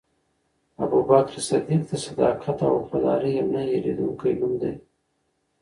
ابوبکر صدیق د صداقت او وفادارۍ یو نه هېرېدونکی نوم دی.